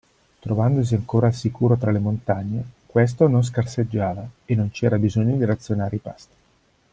Trovandosi ancora al sicuro tra le montagne, questo non scarseggiava e non c'era bisogno di razionare i pasti.